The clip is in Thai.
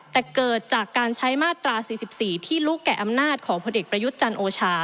แต่เกิดจากการใช้มาตรา๔๔ที่ลุกแก่อำนาจของพลเอกประยุทธ์จันทร์โอชา